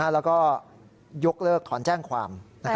แล้วก็ยกเลิกถอนแจ้งความ